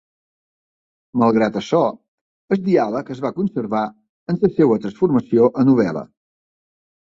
Malgrat això, el diàleg es va conservar en la seva transformació a novel·la.